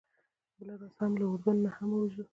بله ورځ به له اردن نه هم ووځو.